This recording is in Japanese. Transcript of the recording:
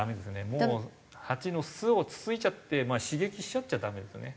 もうハチの巣をつついちゃって刺激しちゃったらダメですよね。